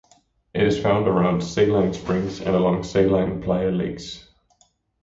It is found around saline springs and along saline playa lakes.